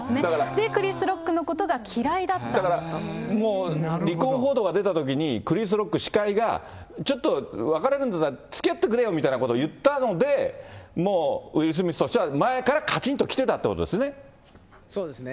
で、クリス・ロックのことが嫌いだからもう、離婚報道が出たときにクリス・ロック、司会がちょっと別れるんだったら、つきあってくれよみたいなことを言ったので、もうウィル・スミスとしては前からカチンと来てたということですそうですね。